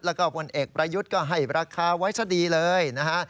แล้วก็ผลเอกประยุทธ์ก็ให้ราคาไว้ซะดีเลยนะฮะ